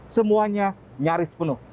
semuanya nyaris penuh